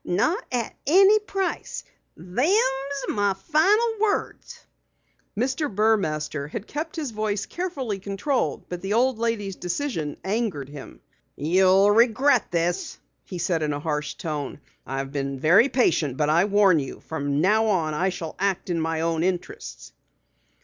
"Not at any price. Them's my final words." Mr. Burmaster had kept his voice carefully controlled but the old lady's decision angered him. "You'll regret this!" he said in a harsh tone. "I've been very patient but I warn you! From now on I shall act in my own interests."